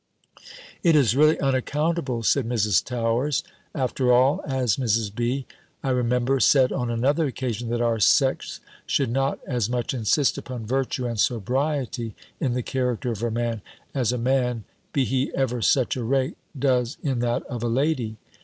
"It is really unaccountable," said Mrs. Towers, "after all, as Mrs. B., I remember, said on another occasion, that our sex should not as much insist upon virtue and sobriety, in the character of a man, as a man, be he ever such a rake, does in that of a lady.